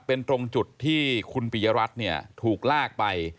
เป็นตรงจุดที่คุณปิยรัฐเนี่ยถูกลากไป